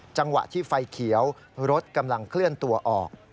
จังหวะที่ไฟเขียวรถกำลังเคลื่อนตัวออก